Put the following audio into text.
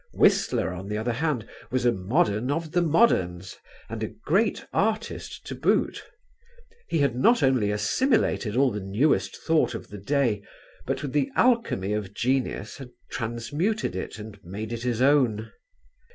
Whistler on the other hand was a modern of the moderns, and a great artist to boot: he had not only assimilated all the newest thought of the day, but with the alchemy of genius had transmuted it and made it his own.